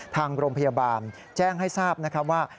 ทางโรงพยาบาลแจ้งให้ทราบนะครับว่า